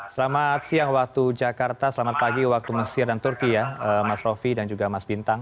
selamat siang waktu jakarta selamat pagi waktu mesir dan turki ya mas rofi dan juga mas bintang